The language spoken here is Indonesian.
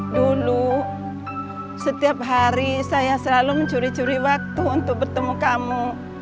dulu setiap hari saya selalu mencuri curi waktu untuk bertemu kamu